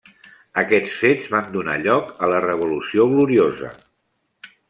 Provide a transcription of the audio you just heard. Aquests fets van donar lloc a la Revolució Gloriosa.